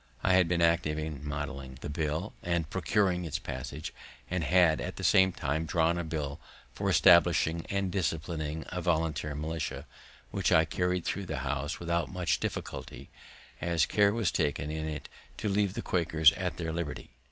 I had been active in modelling the bill and procuring its passage, and had, at the same time, drawn a bill for establishing and disciplining a voluntary militia, which I carried thro' the House without much difficulty, as care was taken in it to leave the Quakers at their liberty.